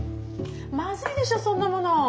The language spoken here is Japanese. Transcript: まずいでしょそんなもの。